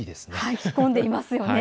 着込んでいますね。